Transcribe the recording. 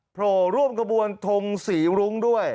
เพราะร่วมกระบวนทงสีรุ้งด้วย